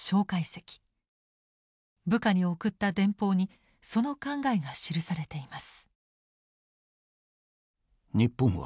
部下に送った電報にその考えが記されています。